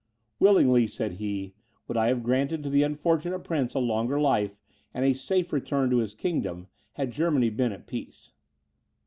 "Willingly," said he, "would I have granted to the unfortunate prince a longer life, and a safe return to his kingdom, had Germany been at peace."